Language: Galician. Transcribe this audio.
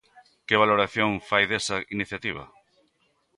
Que valoración fai desa iniciativa?